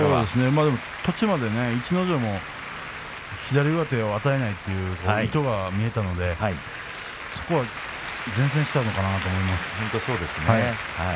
途中まで逸ノ城も左上手を与えないという意図が見えましたのでそこは善戦したのかなと思いますね。